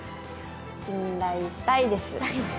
信頼したいです。